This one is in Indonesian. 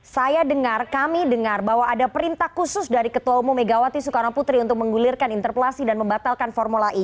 saya dengar kami dengar bahwa ada perintah khusus dari ketua umum megawati soekarno putri untuk menggulirkan interpelasi dan membatalkan formula e